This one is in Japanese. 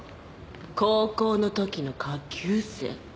高校のときの下級生。